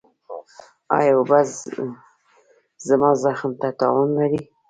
ایا اوبه زما زخم ته تاوان لري؟